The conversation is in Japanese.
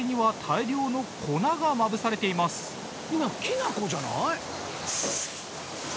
きな粉じゃない？